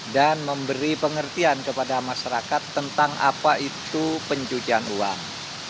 dan memberi pengertian kepada masyarakat tentang apa itu pencucian uang